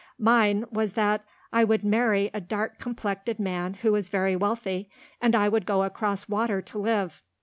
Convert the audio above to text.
Mine was that I would marry a dark complected man who was very wealthy, and I would go across water to live.